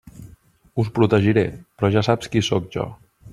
Us protegiré, però ja saps qui sóc jo.